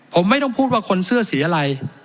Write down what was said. ผมไม่ต้องพูดว่าคนเสื้อสีอะไร